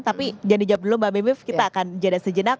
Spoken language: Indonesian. tapi jangan dijawab dulu mbak bibip kita akan jeda sejenak